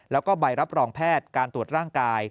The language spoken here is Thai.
แล้วก็ใบรับรองแพทย์การตรวจร่างกาย